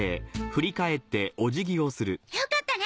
よかったね！